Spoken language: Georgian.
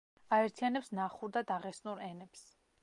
აერთიანებს ნახურ და დაღესტნურ ენებს.